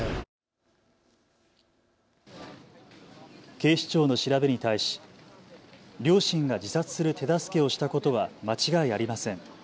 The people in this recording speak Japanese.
警視庁の調べに対し両親が自殺する手助けをしたことは間違いありません。